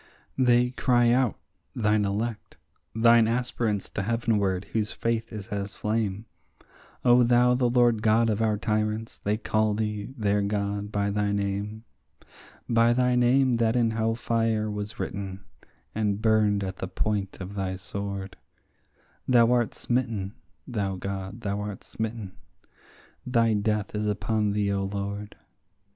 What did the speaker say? They cry out, thine elect, thine aspirants to heavenward, whose faith is as flame; O thou the Lord God of our tyrants, they call thee, their God, by thy name. By thy name that in hell fire was written, and burned at the point of thy sword, Thou art smitten, thou God, thou art smitten; thy death is upon thee, O Lord.